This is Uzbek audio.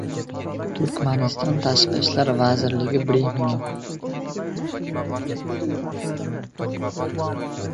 Turkmaniston Tashqi ishlar vazirligi brifingi